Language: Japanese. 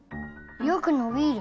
よく伸びる。